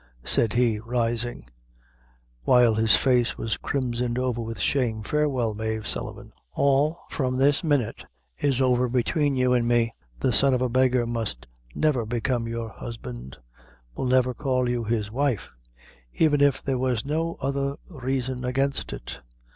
said he rising, while his face was crimsoned over with shame; "farewell, Mave Sullivan; all, from this minute, is over between you an' me. The son of a beggar must never become your husband; will never call you his wife; even if there was no other raison against it."